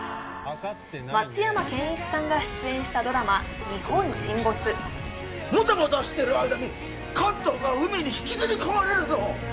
松山ケンイチさんが出演したドラマ「日本沈没」もたもたしてる間に関東が海に引きずり込まれるぞ！